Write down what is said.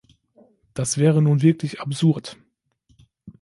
Das wäre nun wirklich absurd.